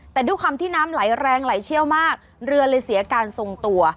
แต่ด้วยความที่น้ำไหลแรงไหลเชี่ยวมากเรือเลยเสียการทรงตัว